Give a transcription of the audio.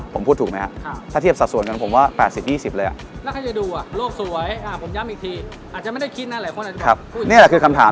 ผมพูดถูกไหมครับ